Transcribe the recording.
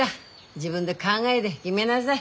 自分で考えで決めなさい。